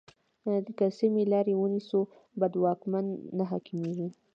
که سمې لارې ونیسو، بد واکمن نه حاکمېږي.